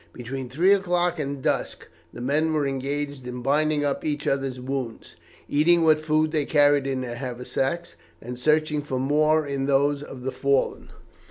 Between three o'clock and dusk the men were engaged in binding up each other's wounds, eating what food they carried in their haversacks, and searching for more in those of the fallen.